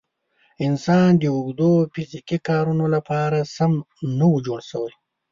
انسان د اوږدو فیزیکي کارونو لپاره سم نه و جوړ شوی.